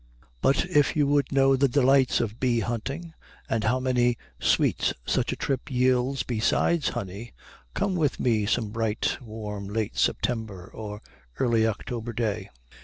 But if you would know the delights of bee hunting, and how many sweets such a trip yields beside honey, come with me some bright, warm, late September or early October day.